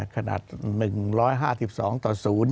ขนาด๑๕๒ต่อ๐